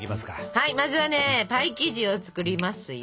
はいまずはねパイ生地を作りますよ。